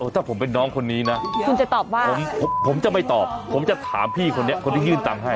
ถ้าผมเป็นน้องคนนี้นะคุณจะตอบว่าผมจะไม่ตอบผมจะถามพี่คนนี้คนที่ยื่นตังค์ให้